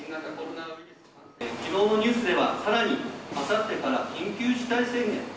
きのうのニュースでは、さらにあさってから緊急事態宣言。